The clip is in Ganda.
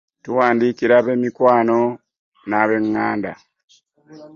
Tuwandiikira b'eikwano ne b'eŋŋanda.